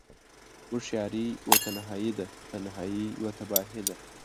هوشیاری یوه تنهایی ده، تنهایی یوه تباهی ده